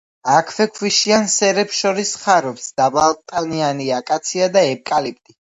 აქვე ქვიშიან სერებს შორის ხარობს დაბალტანიანი აკაცია და ევკალიპტი.